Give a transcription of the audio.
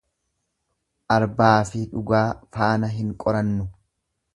Arbaafi dhugaa faana hin qorannu.